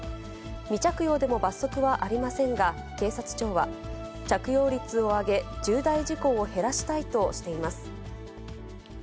未着用でも罰則はありませんが、警察庁は、着用率を上げ、重大事故を減らしたいとしています。